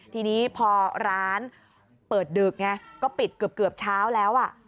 ทีนี้พอร้านเปิดดึกไงก็ปิดเกือบเช้าแล้ว